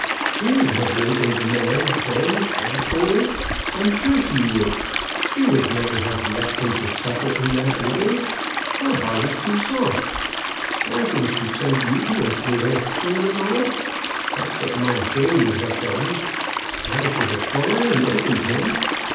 "" She'd have wakened the man, then, after ward. I'm sure she would. She would never have left him to suffer in that way. Her heart is too soft. Why didn't she send you to wake me and explain it all? That's what my Jane would have done ; and I should have gone and wakened him.